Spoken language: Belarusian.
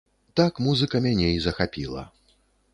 Так музыка мяне і захапіла.